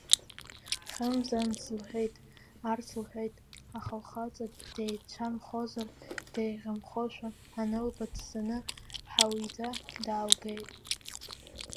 Хьымза анс лҳәеит, арс лҳәеит, аха лхаҵа деицәамхозар деиӷьымхошәа анылба, дцаны Ҳауида даалгеит.